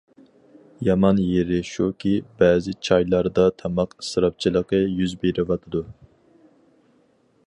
يامان يېرى شۇكى، بەزى چايلاردا تاماق ئىسراپچىلىقى يۈز بېرىۋاتىدۇ.